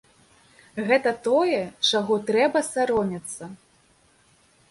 Гэта тое, чаго трэба саромецца.